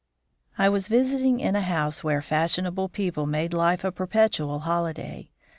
I was visiting in a house where fashionable people made life a perpetual holiday.